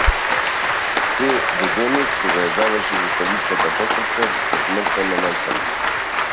Сѐ до денес, кога ја завршив оставинската постапка по смртта на мајка ми.